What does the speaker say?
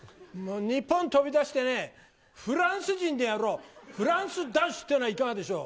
日本飛び出してね、フランス人でやろう、フランス男子ってのはいかがでしょう？